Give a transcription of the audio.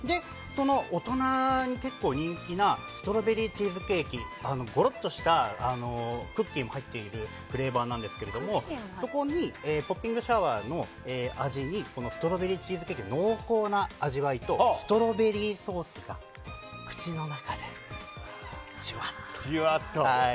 大人に結構人気なストロベリーチーズケーキゴロッとしたクッキーも入っているフレーバーなんですがポッピングシャワーの味にストロベリーチーズケーキの濃厚な味わいとストロベリーソースが口の中でジュワッと。